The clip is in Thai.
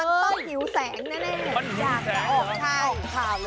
มันต้องหิวแสงแน่อยากจะออกข่าวเลย